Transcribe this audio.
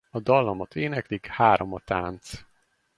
A dallamot éneklik Három a tánc!